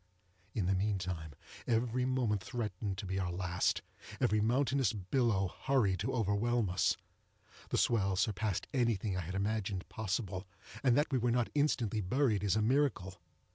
In the meantime every moment threatened to be our last—every mountainous billow hurried to overwhelm us. The swell surpassed anything I had imagined possible, and that we were not instantly buried is a miracle.